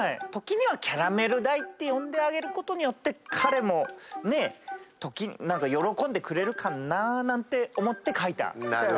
時にはキャラメル台って呼んであげることによって彼も喜んでくれるかななんて思って描いた。